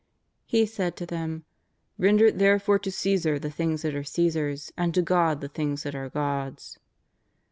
He said to them :^' Render therefore to Caesar the things that are Caesar's and to God the things that are God's."